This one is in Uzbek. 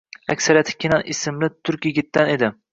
Aksariyati Kenan ismli turk yigitdan edi